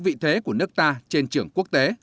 vị thế của nước ta trên trường quốc tế